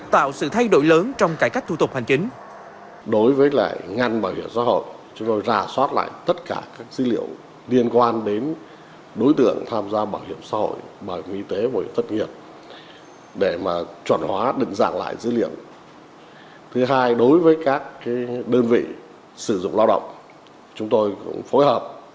tạo sự thay đổi lớn trong cải cách thủ tục hành chính